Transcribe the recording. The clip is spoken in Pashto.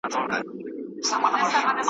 زما زلمي کلونه انتظار انتظار وخوړل `